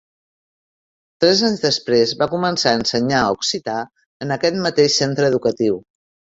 Tres anys després va començar a ensenyar occità en aquest mateix centre educatiu.